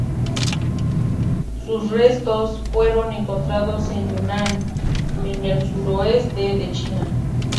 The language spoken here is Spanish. Sus restos fueron encontrados en Yunnan, en el suroeste de China.